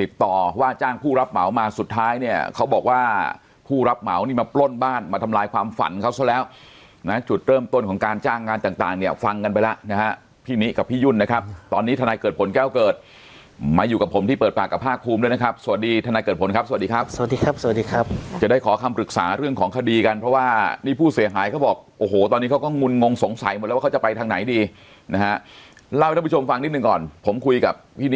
ติดต่อว่าจ้างผู้รับเหมามาสุดท้ายเนี่ยเขาบอกว่าผู้รับเหมานี่มาปล้นบ้านมาทำลายความฝันเขาซะแล้วนะจุดเริ่มต้นของการจ้างงานต่างเนี่ยฟังกันไปแล้วนะฮะพี่นิกับพี่ยุ่นนะครับตอนนี้ทนายเกิดผลแก้วเกิดมาอยู่กับผมที่เปิดปากกับภาคภูมิด้วยนะครับสวัสดีทนายเกิดผลครับสวัสดีครับสวัสดีครั